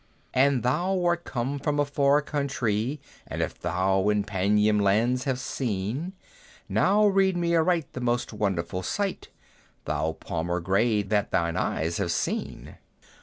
"An thou art come from a far countree, And if thou in Paynim lands hast been, Now rede me aright the most wonderful sight, Thou Palmer gray, that thine eyes have seen.